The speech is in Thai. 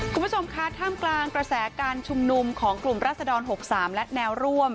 คุณผู้ชมคะท่ามกลางกระแสการชุมนุมของกลุ่มรัศดร๖๓และแนวร่วม